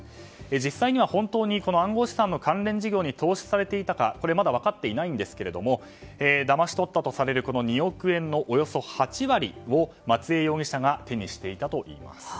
実際には、本当に暗号資産の関連事業に投資されていたかはまだ分かっていませんがだまし取ったとされる２億円のおよそ８割を松江容疑者が手にしていたといいます。